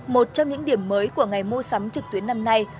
một trong những điểm mới của ngày mua sắm trực tuyến năm nay